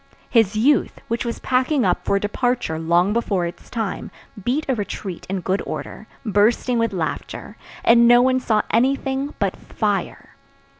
His youth, which was packing up for departure long before its time, beat a retreat in good order, bursting with laughter, and no one saw anything but fire.